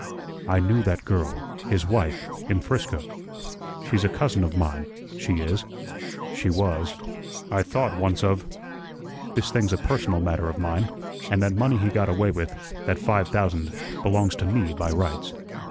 I knew that girl his wife in Frisco. She's a cousin of mine, she is she was I thought once of This thing's a personal matter of mine an' that money he got away with, that five thousand, belongs to me by rights.